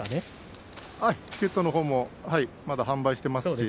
チケットのほうもまだ販売しています。